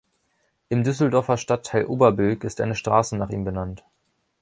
Im Düsseldorfer Stadtteil Oberbilk ist eine Straße nach ihm benannt.